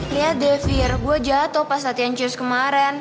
lihat deh fir gue jatoh pas latihan cius kemaren